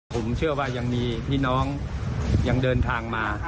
ผมเชื่อว่ายังมีพี่น้องยังเดินทางมา